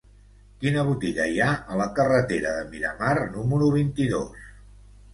Quina botiga hi ha a la carretera de Miramar número vint-i-dos?